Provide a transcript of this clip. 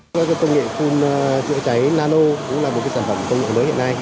công nghệ chữa cháy nano cũng là một sản phẩm công nghệ mới hiện nay